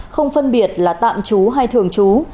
không phân biệt là tạm chú hay thường chú